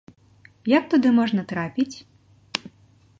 Як туды можна трапіць?